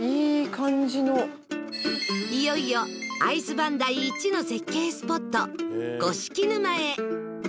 いよいよ会津磐梯一の絶景スポット五色沼へ